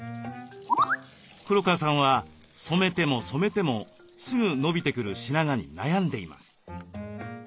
黒川さんは染めても染めてもすぐ伸びてくる白髪に悩んでいます。